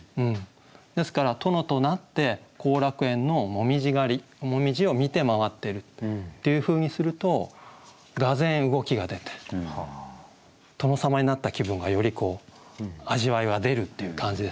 ですから殿となって後楽園の紅葉狩紅葉を見て回ってるっていうふうにするとがぜん動きが出て殿様になった気分がより味わいが出るっていう感じですかね。